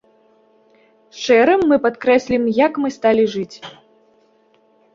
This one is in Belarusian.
Шэрым мы падкрэслім, як мы сталі жыць!